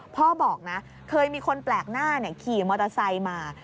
พ่อบอกนะเคยมีคนแปลกหน้าขี่มอเตอร์ไซค์มา